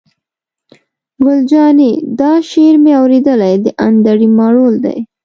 ګل جانې: دا شعر مې اورېدلی، د انډرې مارول دی.